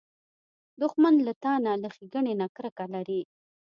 دښمن له تا نه، له ښېګڼې نه کرکه لري